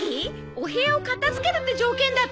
お部屋を片づけるって条件だったでしょ！